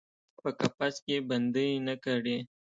په قفس کې بندۍ نه کړي